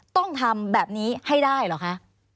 ต้องทำแบบนี้ให้ได้เหรอคะ